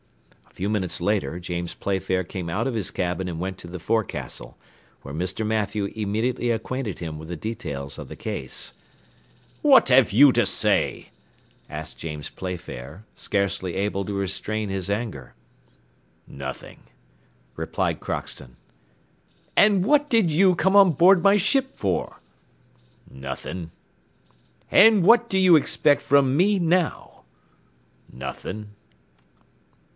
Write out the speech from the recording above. A few minutes later James Playfair came out of his cabin and went to the forecastle, where Mr. Mathew immediately acquainted him with the details of the case. "What have you to say?" asked James Playfair, scarcely able to restrain his anger. "Nothing," replied Crockston. "And what did you come on board my ship for?" "Nothing." "And what do you expect from me now?" "Nothing."